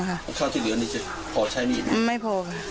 ๕๗๒ค่ะเทียบจากนี้ไม่พอ